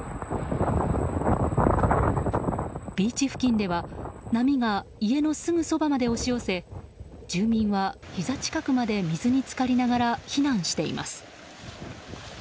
ビーチ付近では波が家のすぐそばまで押し寄せ住民はひざ近くまで水に浸かりながら避難しています。